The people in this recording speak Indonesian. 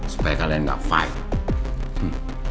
supaya kalian gak fight